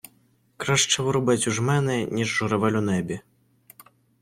Краще воробець у жмени, ніж: журавель у небі.